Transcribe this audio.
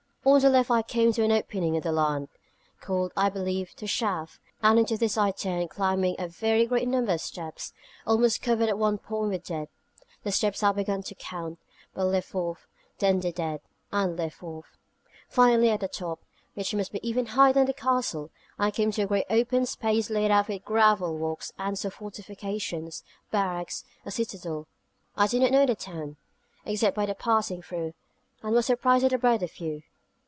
On the left I came to an opening in the land, called, I believe, 'The Shaft,' and into this I turned, climbing a very great number of steps, almost covered at one point with dead: the steps I began to count, but left off, then the dead, and left off. Finally, at the top, which must be even higher than the Castle, I came to a great open space laid out with gravel walks, and saw fortifications, barracks, a citadel. I did not know the town, except by passings through, and was surprised at the breadth of view.